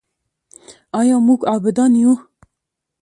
آیا موږ عابدان یو؟